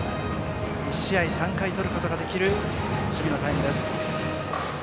１試合３回とることができる守備のタイムです。